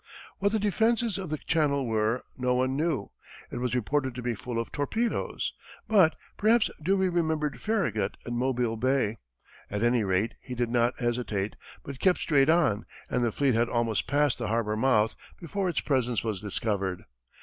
What the defenses of the channel were, no one knew. It was reported to be full of torpedoes. But perhaps Dewey remembered Farragut at Mobile Bay. At any rate, he did not hesitate, but kept straight on, and the fleet had almost passed the harbor mouth, before its presence was discovered.